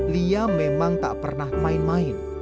lia memang tak pernah main main